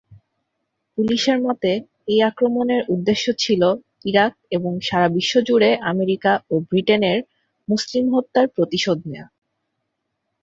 পুলিশের মতে, এই আক্রমণের উদ্দেশ্য ছিল "ইরাক এবং সারা বিশ্বজুড়ে আমেরিকা ও ব্রিটেনের মুসলিম হত্যার প্রতিশোধ নেয়া।"